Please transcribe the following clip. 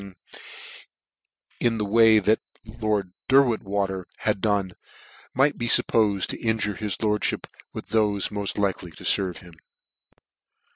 199 ing in the way that lord Derwentwater had done, might be fuppofed to injure his lordfhip with thole mod likely to ferve him.